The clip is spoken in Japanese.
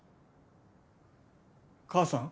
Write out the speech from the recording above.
母さん。